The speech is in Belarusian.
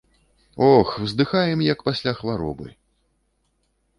Ох, уздыхаем, як пасля хваробы.